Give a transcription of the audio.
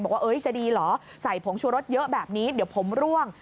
บอกว่าจะดีเหรอใส่ผงชูรสเยอะแบบนี้เดี๋ยวผมร่วง